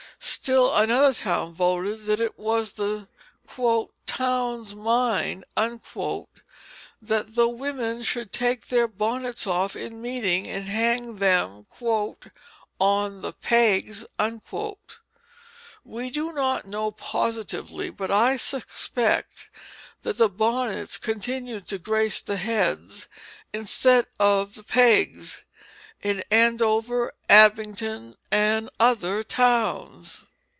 Still another town voted that it was the "Town's Mind" that the women should take their bonnets off in meeting and hang them "on the peggs." We do not know positively, but I suspect that the bonnets continued to grace the heads instead of the pegs in Andover, Abington, and other towns.